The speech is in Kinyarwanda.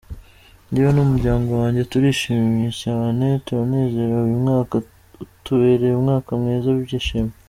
Njyewe n'umuryango wanjye, turishimye cyane, turanezerewe uyu mwaka utubereye umwaka mwiza w'ibyishimo.